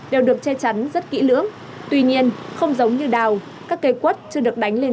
đều được che chắn rất kỹ lưỡng tuy nhiên không giống như đào các cây quất chưa được đánh lên